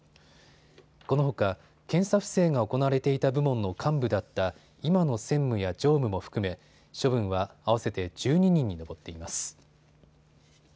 このほか検査不正が行われていた部門の幹部だった今の専務や常務も含め処分は合わせて１２人に上っています。